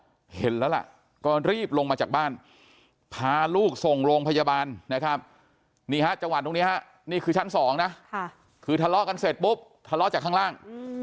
เธอบอกว่าเธอก็เห็นแล้วล่ะก็รีบมาจากบ้านพาลูกทรงพยาบาลนี่ครับจังหวัดตรงนี้ครับนี่คือชั้นสองนะคือทะเลาะเพื่อเศ็จปุ๊บทะเลาะหล่าง